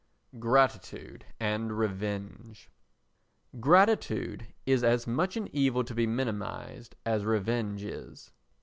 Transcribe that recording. Gratitude and Revenge Gratitude is as much an evil to be minimised as revenge is.